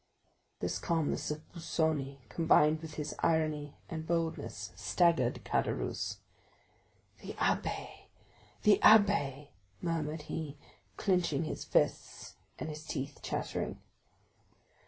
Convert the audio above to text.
This calmness of Busoni, combined with his irony and boldness, staggered Caderousse. "The abbé, the abbé!" murmured he, clenching his fists, and his teeth chattering.